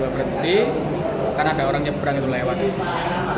berhenti karena ada orang yang berang itu lewat